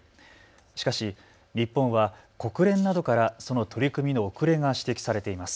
しかし日本は国連などからその取り組みの遅れが指摘されています。